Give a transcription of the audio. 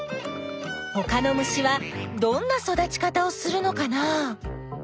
ほかの虫はどんな育ち方をするのかな？